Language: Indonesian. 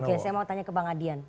oke saya mau tanya ke bang adian